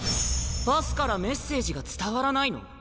パスからメッセージが伝わらないの？